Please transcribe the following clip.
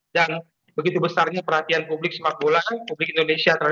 dan begitu besarnya perhatian publik sepak bola ya itu bisa diperhatikan